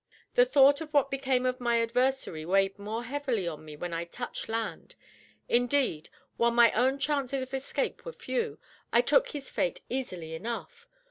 The thought of what became of my adversary weighed more heavily on me when I touched land; indeed, while my own chances of escape were few, I took his fate easily enough.